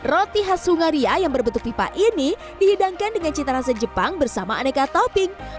roti khas sungaria yang berbentuk pipa ini dihidangkan dengan cita rasa jepang bersama aneka topping